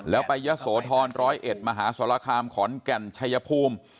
แล้วไปยะโสธร๑๐๑มหาสรคามขอนแก่นชัยภูมิ